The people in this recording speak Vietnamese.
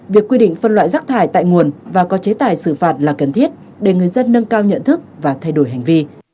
việc quy định phân loại rác thải tại nguồn và có chế tài xử phạt là cần thiết để người dân nâng cao nhận thức và thay đổi hành vi